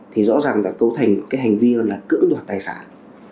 thì rõ ràng là cấu thành cái hành vi là cứng đoạt tài sản